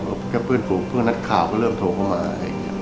แค่เพื่อนนัดข่าวก็เริ่มโทรเข้ามา